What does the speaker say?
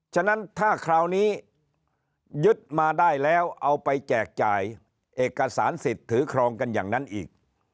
ฉะนั้นถ้าคราวนี้ยึดมาได้แล้วเอาไปแจกจ่ายเอกสารสิทธิ์ถือครองกันอย่างนั้นอีก